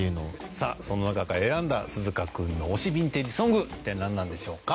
さあその中から選んだ鈴鹿君の推しヴィンテージ・ソング一体なんなんでしょうか？